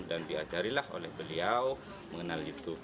dan diajarilah oleh beliau mengenal youtube